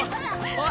おい！